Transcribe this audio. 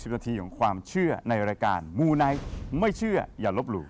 นาทีของความเชื่อในรายการมูไนท์ไม่เชื่ออย่าลบหลู่